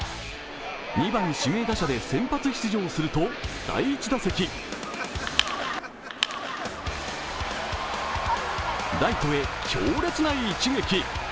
２番・指名打者で先発出場すると、第１打席ライトへ強烈な一撃。